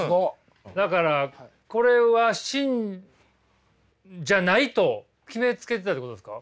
だからこれは芯じゃないと決めつけてたってことですか？